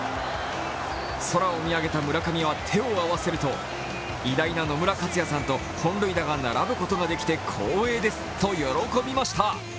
空を見上げた村上は手を合わせると、偉大な野村克也さんと本塁打が並ぶことができて光栄ですと喜びました。